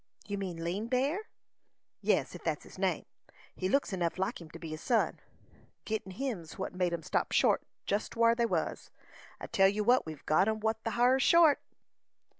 "You mean Lean Bear." "Yes, if that's his name. He looks enough like him to be his son. Gittin' him 's what made 'em stop short jist whar they was. I tell you we've got 'em whar the har 's short."